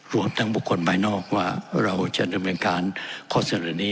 รวมทั้งบุคคลภายนอกว่าเราจะดำเนินการข้อเสนอนี้